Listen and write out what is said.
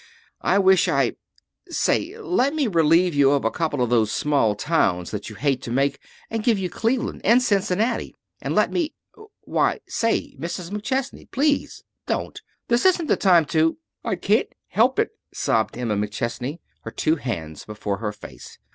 I wish I Say, let me relieve you of a couple of those small towns that you hate to make, and give you Cleveland and Cincinnati. And let me Why say, Mrs. McChesney! Please! Don't! This isn't the time to " "I can't help it," sobbed Emma McChesney, her two hands before her face.